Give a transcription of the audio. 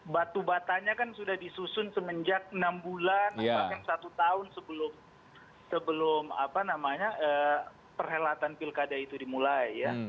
batu batanya kan sudah disusun semenjak enam bulan bahkan satu tahun sebelum perhelatan pilkada itu dimulai ya